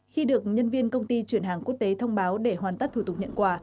khi được nhân viên công ty chuyển hàng quốc tế thông báo để hoàn tất thủ tục nhận quà